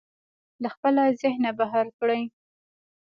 له خپله ذهنه بهر کړئ.